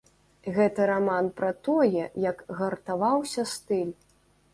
Гэта раман пра тое, як гартаваўся стыль.